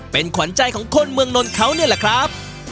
เป็นขวัญใจของคนเมืองนนท์เขานี่แหละครับ